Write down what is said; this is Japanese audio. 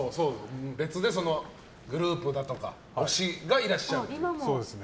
グループだとか推しがいらっしゃる？